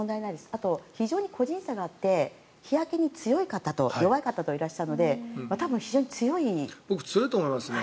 あとは非常に個人差があって日焼けに強い方と弱い方といらっしゃるので僕、強いと思いますね。